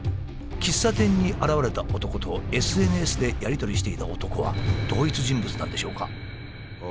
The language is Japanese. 喫茶店に現れた男とＳＮＳでやり取りをしていた男は同一人物なんでしょうか？